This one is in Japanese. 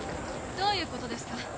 ・どういうことですか？